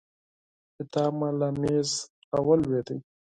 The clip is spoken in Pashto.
کتاب مې له مېز راولوېد.